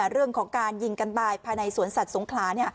เรื่องของการยิงกันตายภายในสวนสัตว์สงขลา